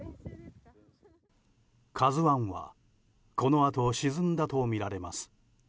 「ＫＡＺＵ１」はこのあと沈んだとみられます。